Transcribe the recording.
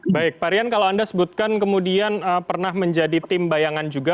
baik pak rian kalau anda sebutkan kemudian pernah menjadi tim bayangan juga